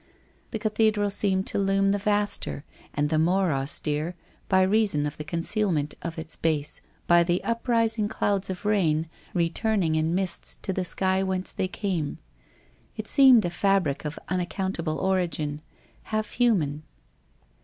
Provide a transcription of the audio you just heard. The Cathedral seemed to loom the vaster and the more austere by reason of the concealment of its base by the uprising clouds of rain returning in mists to the sky whence they came. It seemed a fabric of unac countable origin, half human.